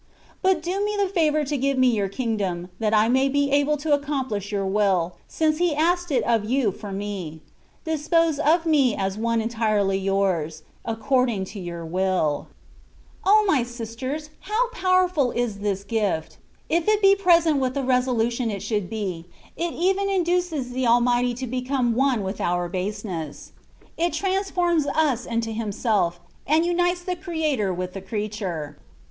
But do me the favour to give me Your Kingdom, that I may be able to accomplish Your will, since He asked it of You for me; dispose of me as one entirely Yours, according to Your wilL O my sisters ! how powerful is this gift ! If it be presented with the resolution it should be, it even induces the Almighty to become one with our baseness : it transforms us into Himself, and unites the Creator with the creature.